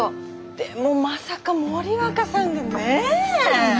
でもまさか森若さんがねえ？ですよね！